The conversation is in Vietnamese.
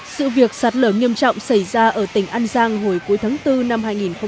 sự việc sạt lở nghiêm trọng xảy ra ở tỉnh an giang hồi cuối tháng bốn năm hai nghìn một mươi chín